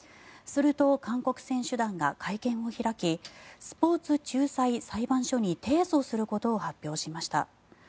すると、韓国選手団が会見を開きスポーツ仲裁裁判所に提訴することを発表しました。